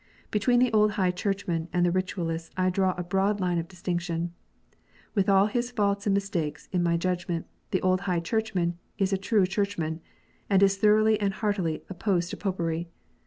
Between the old High Churchman and the Ritualists I draw a broad line of distinction. "With all his faults and mistakes, in my judgment, the old High Churchman is a true Churchman, and is thoroughly and heartily opposed to Popery.